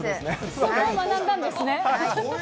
それを学んだんですね。